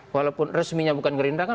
walaupun resminya bukan gerinda kan